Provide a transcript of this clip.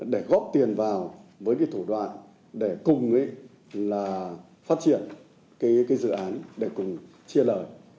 để góp tiền vào với thủ đoạn để cùng phát triển dự án để cùng chia lời